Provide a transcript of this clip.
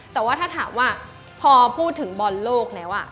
แต่ว่าถ้าถามว่าพอพูดถึงบอลโลกแล้ว